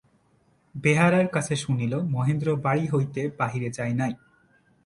বেহারার কাছে শুনিল, মহেন্দ্র বাড়ি হইতে বাহিরে যায় নাই।